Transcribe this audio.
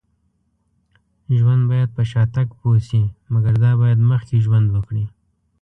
ژوند باید په شاتګ پوه شي. مګر دا باید مخکې ژوند وکړي